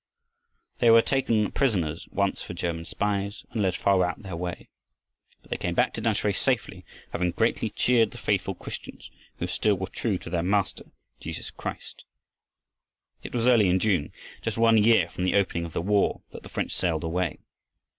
They were taken prisoners once for German spies, and led far out of their way. But they came back to Tamsui safely, having greatly cheered the faithful Christians who still were true to their Master, Jesus Christ. It was early in June, just one year from the opening of the war, that the French sailed away.